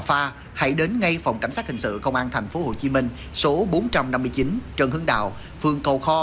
pha hãy đến ngay phòng cảnh sát hình sự công an tp hcm số bốn trăm năm mươi chín trần hưng đạo phường cầu kho